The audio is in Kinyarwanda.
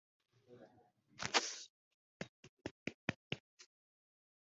pawulo yavuze ko abashyingiranwa bazagira imibabaro mu mubiri wabo